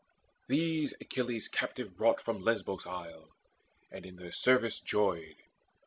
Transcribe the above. These Achilles captive brought from Lesbos' Isle, And in their service joyed.